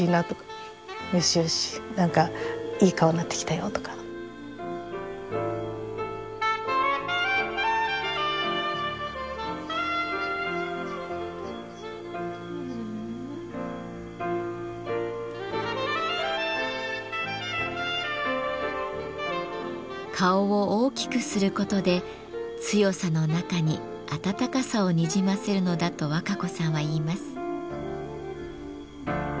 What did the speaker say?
よしよしなんか顔を大きくすることで強さの中に温かさをにじませるのだと若子さんは言います。